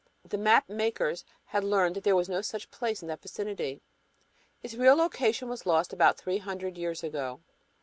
The map makers had learned that there was no such place in that vicinity. Its real location was lost about three hundred years ago.